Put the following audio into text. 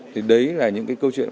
thì đấy là những câu chuyện